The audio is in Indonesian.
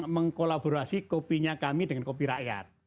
mengkolaborasi kopinya kami dengan kopi rakyat